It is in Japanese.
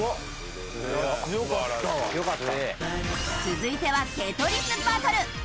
続いては『テトリス』バトル。